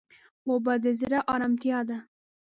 اوبه د زړه ارامتیا ده.